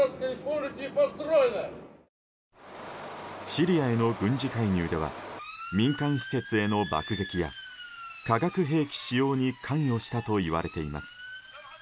シリアへの軍事介入では民間施設への爆撃や化学兵器使用に関与したといわれています。